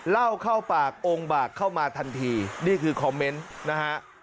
เล่าเข้าปากองค์บากเข้ามาทันทีนี่คือคอมเมนต์นะฮะ